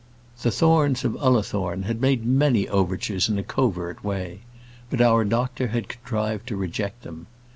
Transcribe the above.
The Thornes of Ullathorne had made many overtures in a covert way. But our doctor had contrived to reject them.